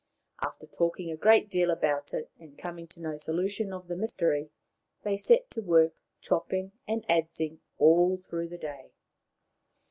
After talking a great deal about it, and coming to no solution of the mystery, they set to work, chopping and adzing all through the day.